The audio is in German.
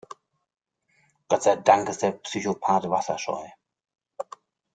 Gott sei Dank ist der Psychopath wasserscheu.